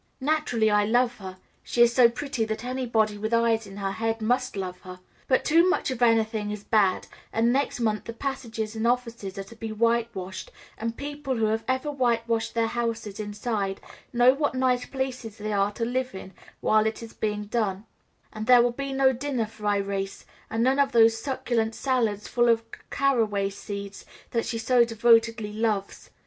Naturally I love her she is so pretty that anybody with eyes in his head must love her but too much of anything is bad, and next month the passages and offices are to be whitewashed, and people who have ever whitewashed their houses inside know what nice places they are to live in while it is being done; and there will be no dinner for Irais, and none of those succulent salads full of caraway seeds that she so devotedly loves.